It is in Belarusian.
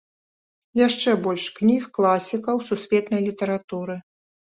Яшчэ больш кніг класікаў сусветнай літаратуры.